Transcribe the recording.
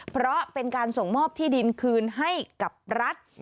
เพราะเป็นการส่งมอบที่ดินคืนให้กับรัฐ